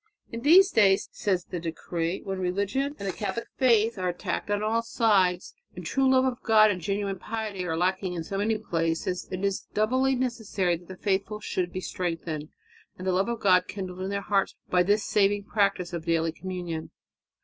"In these days," says the decree, "when religion and the Catholic faith are attacked on all sides, and true love of God and genuine piety are lacking in so many places, it is doubly necessary that the faithful should be strengthened, and the love of God kindled in their hearts by this saving practice of daily communion."